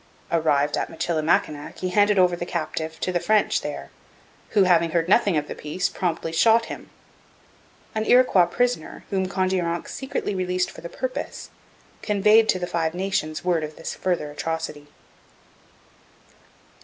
Arrived at Michilimackinac, he handed over the captive to the French there, who, having heard nothing of the peace, promptly shot him. An Iroquois prisoner, whom Kondiaronk secretly released for the purpose, conveyed to the Five Nations word of this further atrocity.